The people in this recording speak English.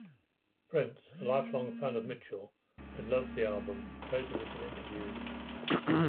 Prince, a lifelong fan of Mitchell, had loved the album, praising it in interviews.